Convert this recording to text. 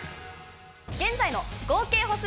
現在の合計歩数